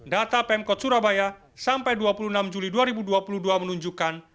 data pemkot surabaya sampai dua puluh enam juli dua ribu dua puluh dua menunjukkan